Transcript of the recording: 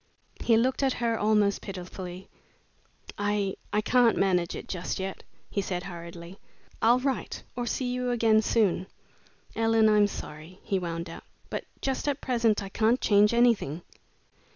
He looked at her almost pitifully. "I I can't manage it just yet," he said, hurriedly. "I'll write or see you again soon. Ellen, I'm sorry," he wound up, "but just at present I can't change anything."